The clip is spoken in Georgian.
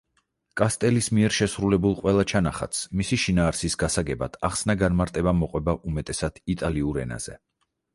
კასტელის მიერ შესრულებულ ყველა ჩანახატს მისი შინაარსის გასაგებად ახსნა-განმარტება მოყვება უმეტესად იტალიურ ენაზე.